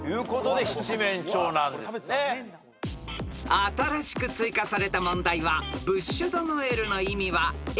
［新しく追加された問題はブッシュ・ド・ノエルの意味はＡ